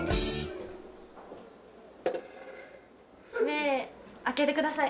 目開けてください。